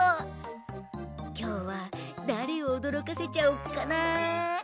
きょうはだれをおどろかせちゃおっかな。